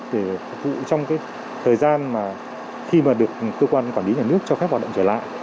để phục vụ trong thời gian mà khi mà được cơ quan quản lý nhà nước cho phép hoạt động trở lại